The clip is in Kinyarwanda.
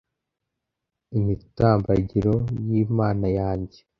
imitambagiro y'imana yanjye